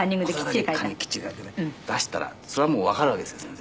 答えだけきっちり書いてね出したらそれはもうわかるわけですよ先生。